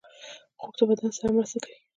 خوب د بدن سره مرسته کوي